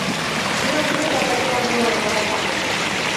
Шунан һуң да капитан булырға маташаһың.